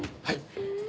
はい。